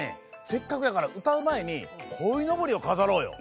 せっかくやからうたうまえにこいのぼりをかざろうよ。